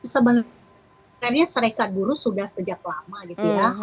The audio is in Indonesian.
sebenarnya serikat buruh sudah sejak lama gitu ya